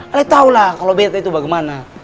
ale taulah kalo beta itu bagaimana